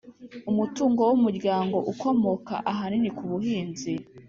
Umutungo w’umuryango ukomoka ahanini ku buhinzi